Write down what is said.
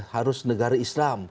harus negara islam